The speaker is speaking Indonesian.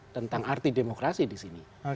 tentang arti demokrasi disini